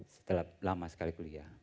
setelah lama sekali kuliah